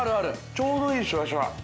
ちょうどいいシュワシュワ。